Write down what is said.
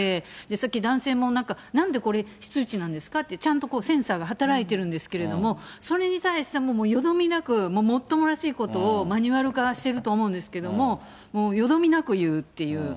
さっき、男性もなんか、なんでこれ、非通知なんですかって、ちゃんとセンサーが働いてるんですけど、それに対しても、よどみなく、もっともらしいことをマニュアル化してると思うんですけど、もう、よどみなく言うっていう。